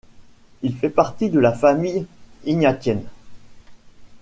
Il fait partie de la famille ignatienne.